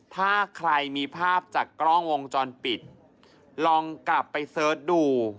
ถ้าใครมีภาพจากกล้องวงจรปิดลองกลับไปเสิร์ชดู